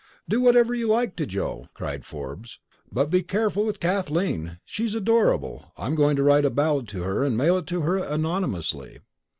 "Do whatever you like to Joe!" cried Forbes; "But be careful with Kathleen! She's adorable! I'm going to write a ballade to her and mail it to her anonymously."